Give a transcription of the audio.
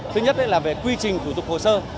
thứ nhất là về quy trình thủ tục hồ sơ